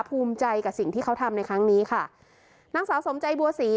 ภูมิใจกับสิ่งที่เขาทำในครั้งนี้ค่ะนางสาวสมใจบัวศรี